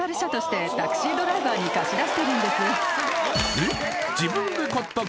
えっ？